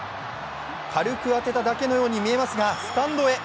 軽く当てただけのように見えますがスタンドへ。